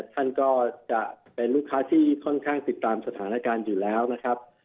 ท่านก็จะเป็นลูกค้าที่ค่อนข้างติดตามสถานการณ์อยู่แล้วนะครับ